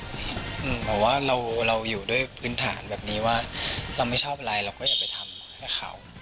เพราะว่าเราอยู่ด้วยพื้นฐานแบบนี้ว่าเราไม่ชอบอะไรเราก็อย่าไปทำให้เขา